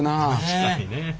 確かにね。